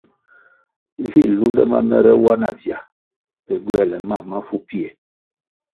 Vi nlunde ma mèrè wa na vya pe gywoēle mam mafu pfie.